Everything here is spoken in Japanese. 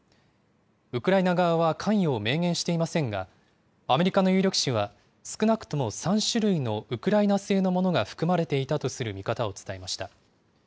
ウクライナ側は関与を明言していませんが、アメリカの有力紙は少なくとも３種類のウクライナ製のものが含まれていたとする見方を伝えました。